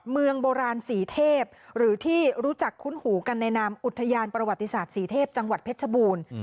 เมืองโบราณสีเทพหรือที่รู้จักคุ้นหูกันในนามอุทยานประวัติศาสตร์ศรีเทพจังหวัดเพชรบูรณ์